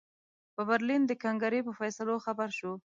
په برلین د کنګرې په فیصلو خبر شو.